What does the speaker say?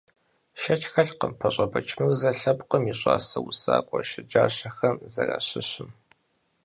Шэч хэлъкъым ПащӀэ Бэчмырзэ лъэпкъым и щӀасэ усакӀуэ щэджащэхэм зэращыщым.